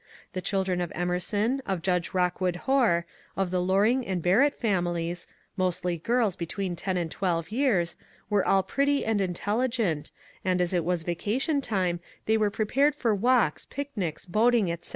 The children of Emerson, of Judge Rockwood Hoar, of the Loring and Barrett families, mostly girls between ten and twelve years, were all pretty and intelligent, and as it was vacation time they were prepared for walks, picnics, boat ing, etc.